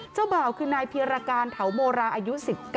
เจ้าบ่าวคือนายเพียรการเถาโมราอายุ๑๙